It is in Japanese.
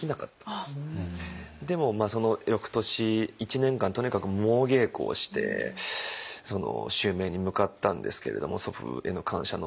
でもその翌年１年間とにかく猛稽古をして襲名に向かったんですけれども祖父への感謝の思いも抱きつつ。